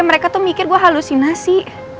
mereka tuh mikir gue halusinasi